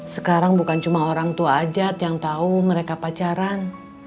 sekarang bukan cuma orang tua ajat yang tahu mereka pacaran